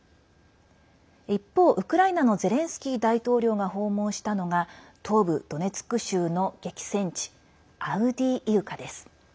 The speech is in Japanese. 一方、ウクライナのゼレンスキー大統領が訪問したのが東部ドネツク州の激戦地アウディーイウカです。